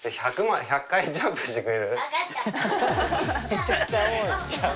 めちゃくちゃ多い。